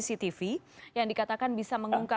ada bukti cctv yang dikatakan bisa mengenai polisi